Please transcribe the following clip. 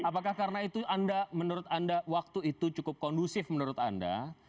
apakah karena itu menurut anda waktu itu cukup kondusif menurut anda